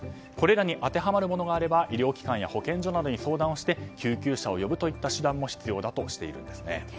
これらに当てはまるものがあれば医療機関や保健所などに相談して救急車を呼ぶといった手段なども必要だとしているんです。